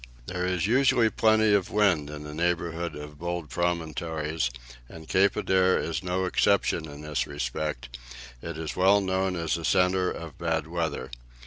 There is usually plenty of wind in the neighbourhood of bold promontories, and Cape Adare is no exception in this respect; it is well known as a centre of bad weather.